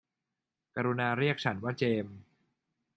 กรุณาเรียกฉันว่าเจมส์